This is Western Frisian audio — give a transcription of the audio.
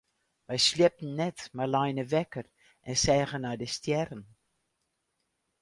Wy sliepten net mar leine wekker en seagen nei de stjerren.